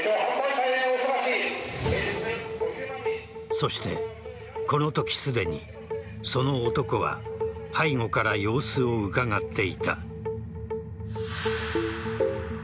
そして、このときすでにその男は背後から様子をうかがっていた。